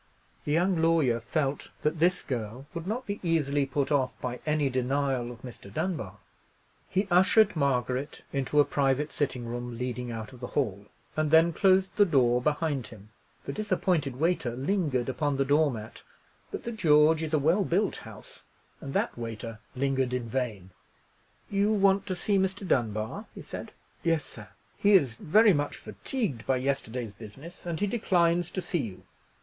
The young lawyer felt that this girl would not be easily put off by any denial of Mr. Dunbar. He ushered Margaret into a private sitting room leading out of the hall, and then closed the door behind him. The disappointed waiter lingered upon the door mat: but the George is a well built house, and that waiter lingered in vain. "You want to see Mr. Dunbar?" he said. "Yes, sir!" "He is very much fatigued by yesterday's business, and he declines to see you.